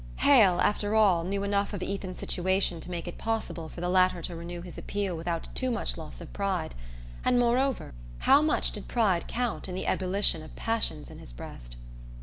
Hale, after all, knew enough of Ethan's situation to make it possible for the latter to renew his appeal without too much loss of pride; and, moreover, how much did pride count in the ebullition of passions in his breast?